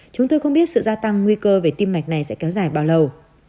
chúng tôi không biết sự gia tăng nguy cơ về tim mạch này sẽ kéo dài bao lâu